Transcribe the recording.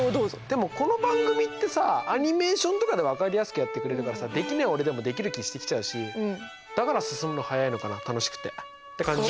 でもこの番組ってさアニメーションとかで分かりやすくやってくれるからできない俺でもできる気してきちゃうしだから進むの早いのかな楽しくて。って感じ？